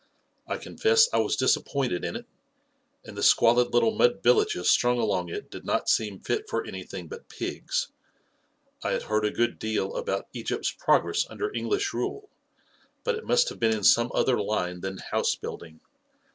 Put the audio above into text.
I confess I was dis appointed in it, and the squalid little mud villages strung along it did not seem fit for anything but pigs. I had heard a good deal about Egypt's prog ress under English rule, but it must have been in some other line than house building.